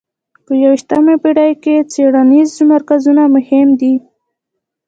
په یویشتمه پېړۍ کې څېړنیز مرکزونه مهم دي.